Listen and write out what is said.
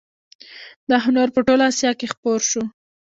دا هنر په ټوله اسیا کې خپور شو